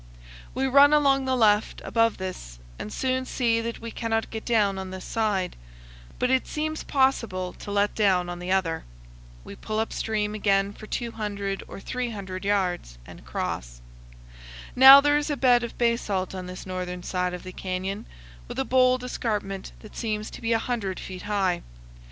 We run along the left, above this, and soon see that we cannot get down on this side, but it seems possible to let down on the other. We pull up stream again for 200 or 300 yards and cross. Now there is a bed of basalt on this northern side of the canyon, with a bold escarpment that seems to be a hundred feet high.